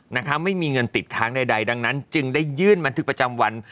นะคะไม่มีเงินติดค้างใดดังนั้นจึงได้ยื่นบันทึกประจำวัน